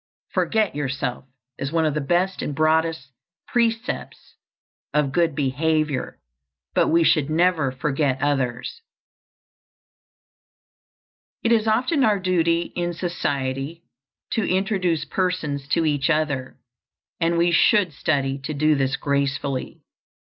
"Forget yourself" is one of the best and broadest precepts of good behavior; but we should never forget others. It is often our duty in society to introduce persons to each other, and we should study to do this gracefully.